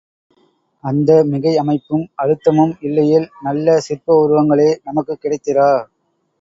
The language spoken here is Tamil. அந்த மிகை அமைப்பும், அழுத்தமும் இல்லையேல், நல்ல சிற்ப உருவங்களே நமக்குக் கிடைத்திரா.